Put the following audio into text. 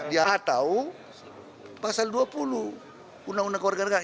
dia tahu pasal dua puluh undang undang kewarganegaraan